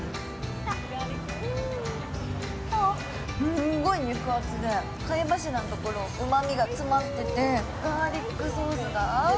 すんごい肉厚で、貝柱のところうまみが詰まっててガーリックソースが合う。